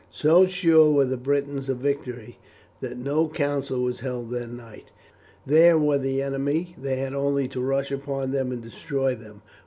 So sure were the Britons of victory that no council was held that night. There were the enemy, they had only to rush upon and destroy them.